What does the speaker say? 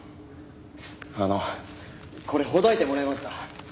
あのこれほどいてもらえますか？